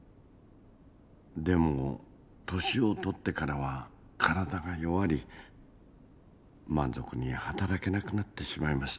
でも年を取ってからは体が弱り満足に働けなくなってしまいました。